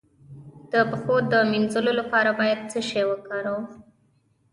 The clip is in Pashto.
د پښو د مینځلو لپاره باید څه شی وکاروم؟